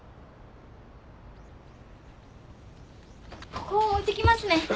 ここ置いてきますね。